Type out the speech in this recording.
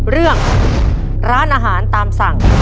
เรื่องร้านอาหารตามสั่ง